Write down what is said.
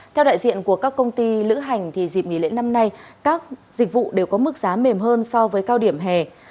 theo đại diện của các công ty lữ hành dịp nghỉ lễ năm nay các dịch vụ đều có mức giá mềm hơn so với cao điểm hè